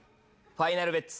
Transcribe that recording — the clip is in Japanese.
ファイナルベッツ。